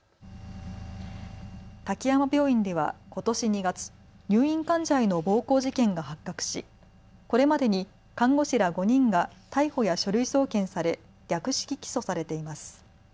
滝山病院ではことし２月、入院患者への暴行事件が発覚しこれまでに看護師ら５人が逮捕や書類送検され略式起訴されています。